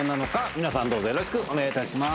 Г気どうぞよろしくお願いいたします。